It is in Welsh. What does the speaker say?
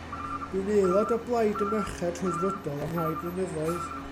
Bu'n aelod o Blaid y Merched Rhyddfrydol am rai blynyddoedd.